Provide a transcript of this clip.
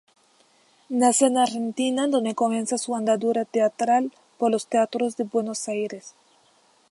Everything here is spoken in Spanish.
Nace en Argentina, donde comienza su andadura teatral por los teatros de Buenos Aires.